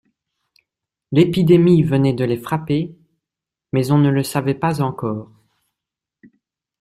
L’épidémie venait de les frapper, mais on ne le savait pas encore.